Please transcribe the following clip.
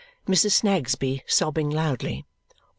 Mrs. Snagsby sobbing loudly.